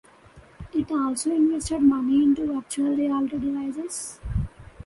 It also invested money into virtual reality devices.